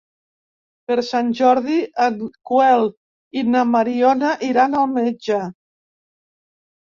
Per Sant Jordi en Quel i na Mariona iran al metge.